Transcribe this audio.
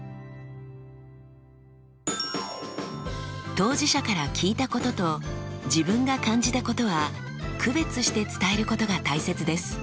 当事者から聞いたことと自分が感じたことは区別して伝えることが大切です。